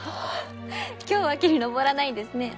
今日は木に登らないんですね。